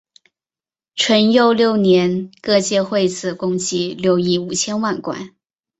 淳佑六年各界会子共计六亿五千万贯。